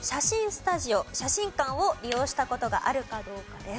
スタジオ写真館を利用した事があるかどうかです。